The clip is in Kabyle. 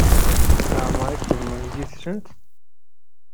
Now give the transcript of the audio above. Laɛmeṛ i txedmeḍ yid-sent?